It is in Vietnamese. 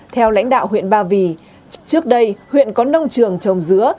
theo lãnh đạo huyện ba vì trước đây huyện có nông trường trồng dứa